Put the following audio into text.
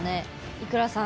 ｉｋｕｒａさん